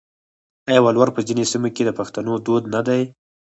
آیا ولور په ځینو سیمو کې د پښتنو دود نه دی؟